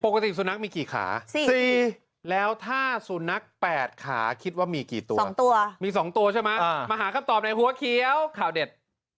สุนัขมีกี่ขา๔แล้วถ้าสุนัข๘ขาคิดว่ามีกี่ตัว๒ตัวมี๒ตัวใช่ไหมมาหาคำตอบในหัวเขียวข่าวเด็ด